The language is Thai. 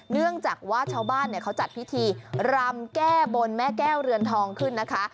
เนื่องจากว่าชาวบ้านเขาจัดพิธีรำแก้บนแม่แก้วเรือนทองขึ้นนะคะ